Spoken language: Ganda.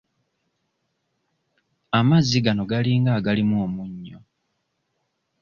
Amazzi gano galinga agalimu omunnyo.